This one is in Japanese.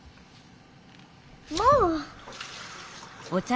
もう！